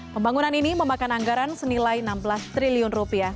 pembangunan ini memakan anggaran senilai rp enam belas triliun